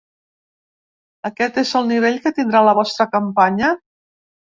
Aquest és el nivell que tindrà la vostra campanya?